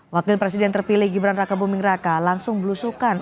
wakil presiden terpilih gibran raka buming raka langsung belusukan